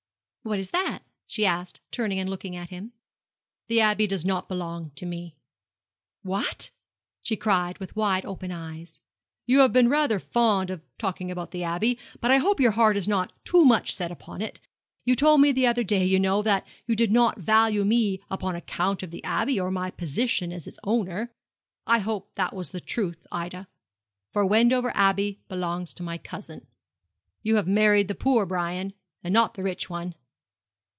'What is that?' she asked, turning and looking at him. 'The Abbey does not belong to me!' 'What?' she cried, with wide open eyes. 'You have been rather fond of talking about the Abbey; but I hope your heart is not too much set upon it. You told me the other day, you know, that you did not value me upon account of the Abbey or my position as its owner. I hope that was the truth, Ida; for Wendover Abbey belongs to my cousin. You have married the poor Brian and not the rich one!'